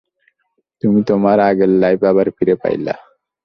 তুমি তোমার আগের লাইফ আবার ফিরে পাইলা।